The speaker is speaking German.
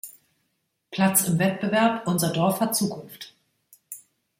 Platz im Wettbewerb „Unser Dorf hat Zukunft“.